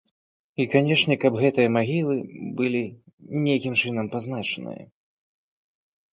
І, канешне, каб гэтыя магілы былі нейкім чынам пазначаныя.